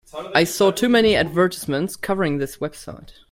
I saw too many advertisements covering this website.